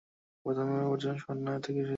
প্রথম প্রজন্ম সর্না থেকে এসেছিল।